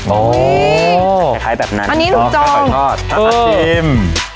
คล้ายคล้ายแบบนั้นอันนี้หนูจองอ๋อหอยทอดอื้อมาชิม